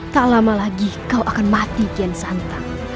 tak lama lagi kau akan mati kian santan